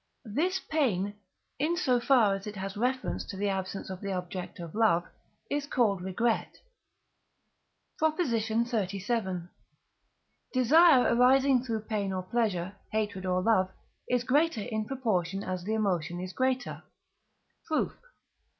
This pain, in so far as it has reference to the absence of the object of love, is called Regret. PROP. XXXVII. Desire arising through pain or pleasure, hatred or love, is greater in proportion as the emotion is greater. Proof.